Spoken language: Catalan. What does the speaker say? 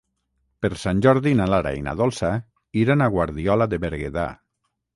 Per Sant Jordi na Lara i na Dolça iran a Guardiola de Berguedà.